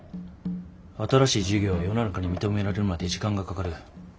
新しい事業は世の中に認められるまで時間がかかる。